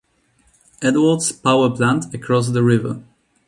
Edwards Power Plant across the river.